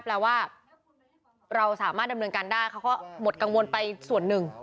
แปลว่าเราสามารถดำเนินการได้เขาก็หมดกังวลไปส่วนหนึ่ง